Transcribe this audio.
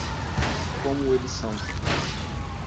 Como eles são?